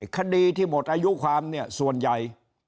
คดีที่หมดอายุความเนี่ยส่วนใหญ่